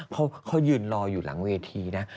เขายืนรออยู่หลังเวทีนะ